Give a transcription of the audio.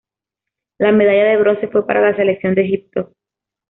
La medalla de bronce fue para la selección de Egipto.